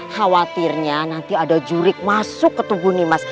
khawatirnya nanti ada jurik masuk ke tubuh nimas